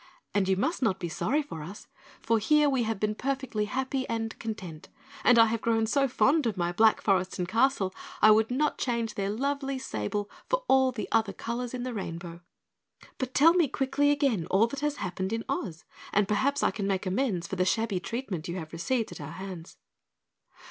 "And you must not be sorry for us, for here we have been perfectly happy and content and I have grown so fond of my black forest and castle I would not change their lovely sable for all the other colors in the rainbow. But tell me quickly again all that has happened in Oz and perhaps I can make amends for the shabby treatment you have received at our hands."